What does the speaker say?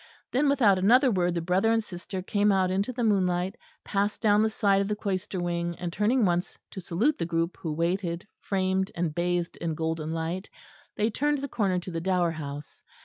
Then without another word the brother and sister came out into the moonlight, passed down the side of the cloister wing, and turning once to salute the group who waited, framed and bathed in golden light, they turned the corner to the Dower House.